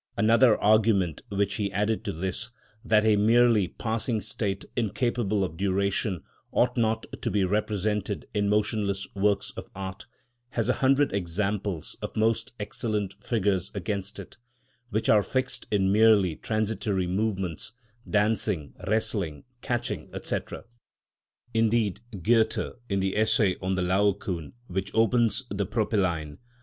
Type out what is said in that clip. Another argument which he added to this, that a merely passing state incapable of duration ought not to be represented in motionless works of art, has a hundred examples of most excellent figures against it, which are fixed in merely transitory movements, dancing, wrestling, catching, &c. Indeed Goethe, in the essay on the Laocoon, which opens the Propylaen (p.